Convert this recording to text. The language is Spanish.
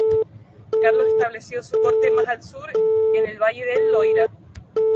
Carlos estableció su corte más al sur, en el Valle del Loira.